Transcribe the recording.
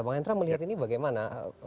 bang hendra melihat ini bagaimana